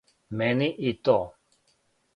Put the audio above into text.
Мени и то.